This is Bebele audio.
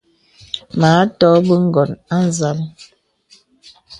Mə à tɔk bə ǹgɔ̀n à nzàl.